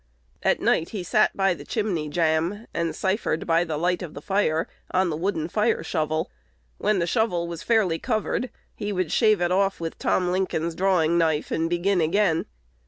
At night he sat by the chimney "jamb," and ciphered, by the light of the fire, on the wooden fire shovel. When the shovel was fairly covered, he would shave it off with Tom Lincoln's drawing knife, and begin again.